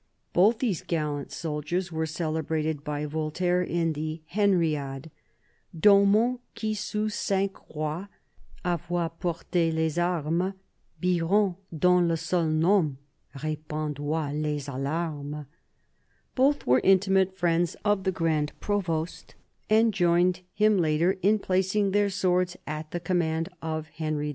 Both these gallant soldiers are celebrated by Voltaire in the Henriade :" D'Aumont, qui sous cinq Rois avoit porte les armes ; Biron, dont le seul nom repandoit les alarmes. ..." Both were intimate friends of the Grand Provost, and joined him later in placing their swords at the command of Henry IV.